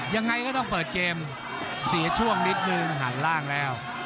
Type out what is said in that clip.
ยังไงก็ต้องเปิดเกมเสียช่วงนิดนึงหันล่างแล้ว